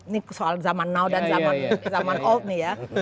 ini soal zaman now dan zaman old nih ya